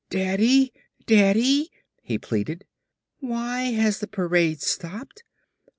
"Daddy! Daddy," he pleaded, "why has the parade stopped?